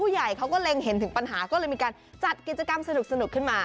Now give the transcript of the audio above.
เห็นถึงปัญหาก็เลยมีการจัดกิจกรรมสนุกขึ้นมา